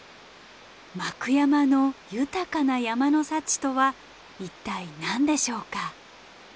幕山の豊かな山の幸とは一体何でしょうか？